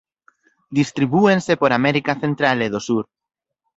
Distribúense por América Central e do Sur.